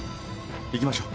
行きましょう。